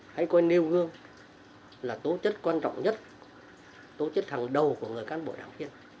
hãy coi nêu gương là tố chất quan trọng nhất tố chất hàng đầu của người cán bộ đảng viên